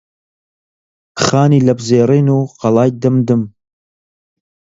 خانی لەپزێڕین و قەڵای دمدم